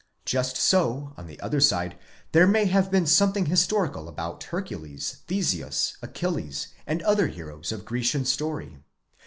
Just so, on the other side, there may have been something historical about Hercules, Theseus, Achilles, and other heroes of Grecian story.